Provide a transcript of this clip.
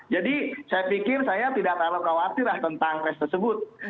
jadi saya pikir saya tidak terlalu khawatir lah tentang tes tersebut